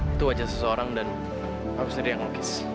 itu wajah seseorang dan aku sendiri yang lukis